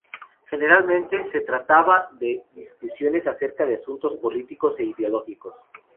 Generalmente, se trataba de discusiones acerca de asuntos políticos e ideológicos.